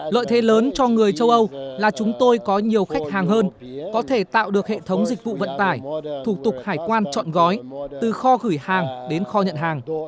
lợi thế lớn cho người châu âu là chúng tôi có nhiều khách hàng hơn có thể tạo được hệ thống dịch vụ vận tải thủ tục hải quan chọn gói từ kho gửi hàng đến kho nhận hàng